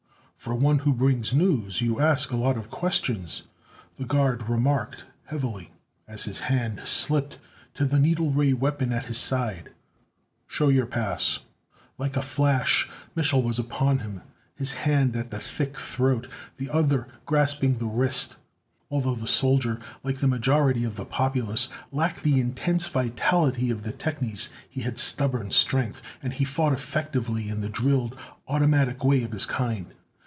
"For one who brings news you ask a lot of questions," the guard remarked heavily, as his hand slipped to the needle ray weapon at his side. "Show your pass!" Like a flash Mich'l was upon him, his hand at the thick throat, the other grasping the wrist. Although the soldier, like the majority of the populace, lacked the intense vitality of the technies, he had stubborn strength, and he fought effectively in the drilled, automatic way of his kind.